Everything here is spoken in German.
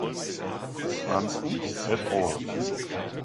Franzen et al.